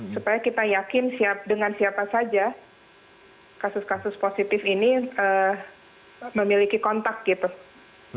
supaya kita yakin siap dengan siapa saja kasus kasus positif ini memiliki kontak gitu